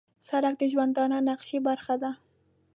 سړک د ژوندانه نقشې برخه ده.